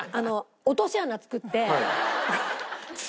落とし穴作って。